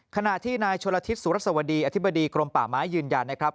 ขณะที่นายชนละทิศสุรสวดีอธิบดีกรมป่าไม้ยืนยันนะครับ